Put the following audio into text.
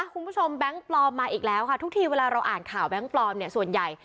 แบงค์ปลอมมาอีกแล้วค่ะทุกทีเวลาเราอ่านข่าวแบงค์ปลอมเนี่ยส่วนใหญ่